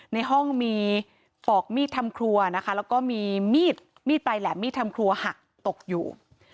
ในห้องมีปอกมีดทำครัวนะคะแล้วก็มีมีดมีดปลายแหลมมีดทำครัวหักตกอยู่